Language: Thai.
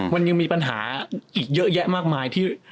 มันยังมีปัญหาอีกเยอะแยะมากมายที่